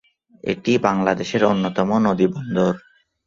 এটি বাংলাদেশের অন্যতম নদী বন্দর।